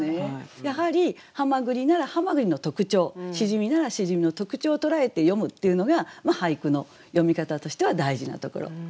やはりはまぐりならはまぐりの特徴しじみならしじみの特徴を捉えて詠むっていうのが俳句の詠み方としては大事なところです。